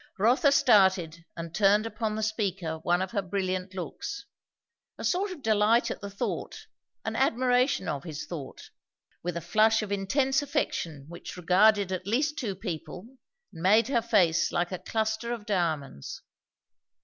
Rotha started and turned upon the speaker one of her brilliant looks. A sort of delight at the thought, and admiration of his thought, with a flush of intense affection which regarded at least two people, made her face like a cluster of diamonds.